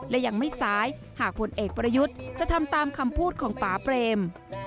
และยังไม่ซ้ายหากผลเอกประยุทธ์จะทำตามคำพูดของป่าเปรม